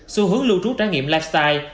xu hướng lưu trú trải nghiệm lifestyle